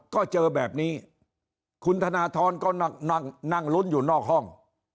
ก็เจอแบบนี้คุณธนทรก็นั่งนั่งลุ้นอยู่นอกห้อง